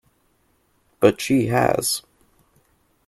But she has.